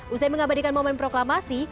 usai mengabadikan momen proklamasi